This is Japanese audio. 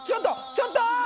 ちょっと！